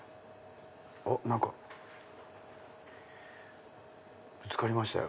あっ何かぶつかりましたよ。